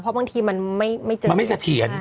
เพราะบางทีมันไม่เสถียน